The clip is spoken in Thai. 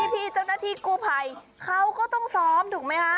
พี่เจ้าหน้าที่กู้ภัยเขาก็ต้องซ้อมถูกไหมคะ